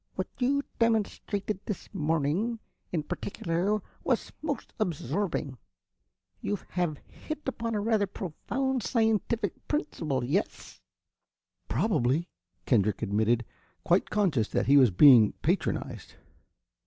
What you demonstrated this morning, in particular, was most absorbing. You have hit upon a rather profound scientific principle, yes?" "Possibly," Kendrick admitted, quite conscious that he was being patronized.